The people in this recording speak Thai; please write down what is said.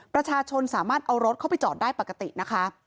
ประชาชนสามารถเอารถเข้าไปจอดได้ปกตินะคะ